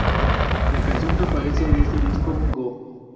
La canción que aparece en este disco Go!